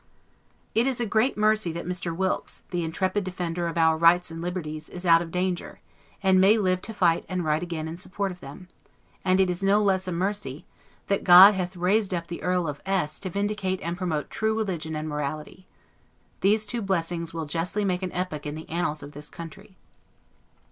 It is a great mercy that Mr. Wilkes, the intrepid defender of our rights and liberties, is out of danger, and may live to fight and write again in support of them; and it is no less a mercy, that God hath raised up the Earl of S to vindicate and promote true religion and morality. These two blessings will justly make an epoch in the annals of this country.